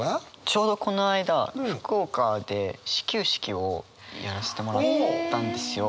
ちょうどこの間福岡で始球式をやらせてもらったんですよ。